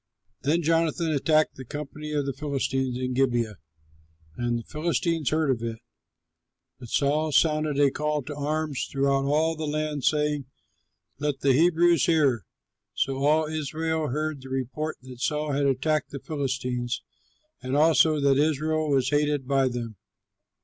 Then Jonathan attacked the company of the Philistines in Gibeah; and the Philistines heard of it. But Saul sounded a call to arms throughout all the land, saying, "Let the Hebrews hear!" So all Israel heard the report that Saul had attacked the Philistines, and also that Israel was hated by them.